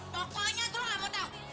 pokoknya gue gak mau tahu